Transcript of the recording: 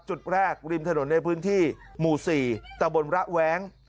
จุดแรกริมถนนในพื้นที่หมู่๔ตะบนระแว้ง